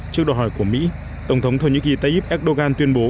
trước đòi hỏi của mỹ tổng thống thổ nhĩ kỳ tayyip erdogan tuyên bố